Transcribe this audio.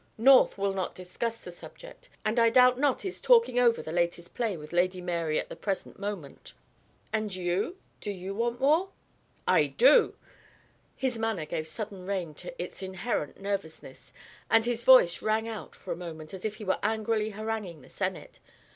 North will not discuss the subject, and I doubt not is talking over the latest play with Lady Mary at the present moment." "And you? Do you want war?" "I do!" His manner gave sudden rein to its inherent nervousness, and his voice rang out for a moment as if he were angrily haranguing the Senate.